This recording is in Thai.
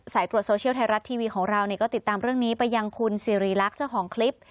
ตรวจโซเชียลไทยรัฐทีวีของเราก็ติดตามเรื่องนี้ไปยังคุณสิริรักษ์เจ้าของคลิป